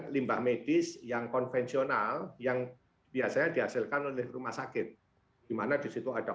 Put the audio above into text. limbah medis yang konvensional yang biasanya dihasilkan oleh rumah sakit dimana disitu ada